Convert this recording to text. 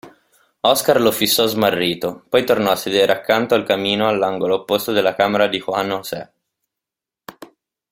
Oscar lo fissò smarrito, poi tornò a sedere accanto al camino all'angolo opposto della camera di Juan José.